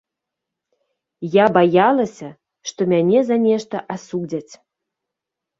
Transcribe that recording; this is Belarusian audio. Я баялася, што мяне за нешта асудзяць.